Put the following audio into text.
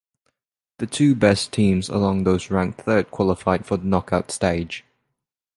The two best teams among those ranked third qualified for the knockout stage.